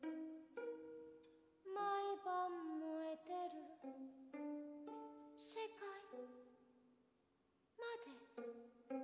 「毎晩燃えている世界まで」